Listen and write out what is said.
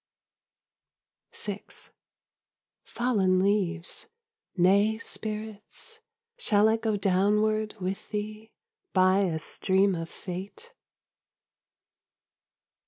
VI Fallen leaves ! Nay, spirits ? Shall I go downward with thee By a stream of Fate